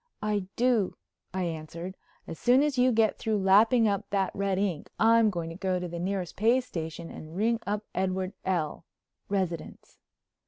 "I do," I answered. "As soon as you get through lapping up that red ink I'm going to go to the nearest pay station and ring up Edward L., residence."